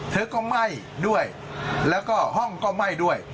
เธอก็ไหม้ด้วยแล้วก็ห้องก็ไหม้ด้วย